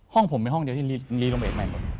ห้องผมเป็นห้องเดียวที่ลีลงไปใหม่หมด